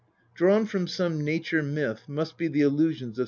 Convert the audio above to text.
Drawn from some nature myth must be the allusions of st.